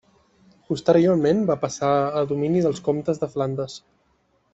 Posteriorment va passar a domini dels comtes de Flandes.